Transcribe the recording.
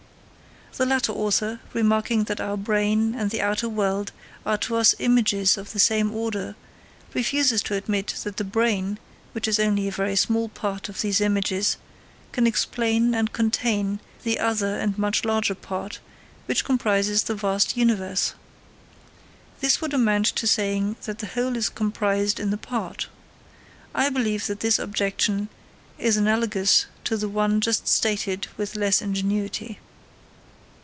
The latter author, remarking that our brain and the outer world are to us images of the same order, refuses to admit that the brain, which is only a very small part of these images, can explain and contain the other and much larger part, which comprises the vast universe. This would amount to saying that the whole is comprised in the part. I believe that this objection is analogous to the one just stated with less ingenuity.